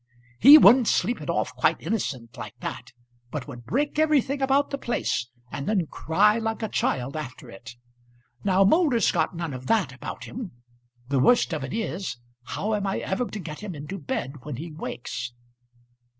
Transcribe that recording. He wouldn't sleep it off, quite innocent, like that; but would break everything about the place, and then cry like a child after it. Now Moulder's got none of that about him. The worst of it is, how am I ever to get him into bed when he wakes?"